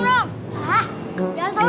jangan sosial deh lu